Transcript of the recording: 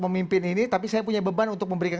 memimpin ini tapi saya punya beban untuk memberikan